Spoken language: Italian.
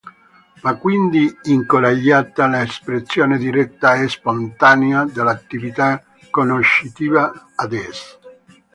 Va quindi incoraggiata l'espressione diretta e spontanea dell'attività conoscitiva, ad es.